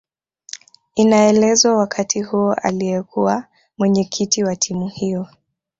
Inaelezwa wakati huo aliyekuwa Mwenyekiti wa timu hiyo